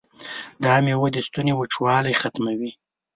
دا میوه د ستوني وچوالی ختموي.